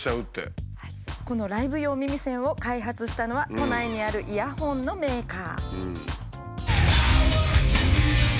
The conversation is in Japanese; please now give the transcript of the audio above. このライブ用耳栓を開発したのは都内にあるイヤホンのメーカー。